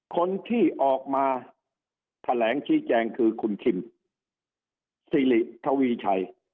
คนที่ออกมาแถลงชี้แจงคือคุณคิมสิริทวีชัย